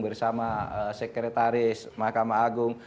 bersama sekretaris mahkamah agung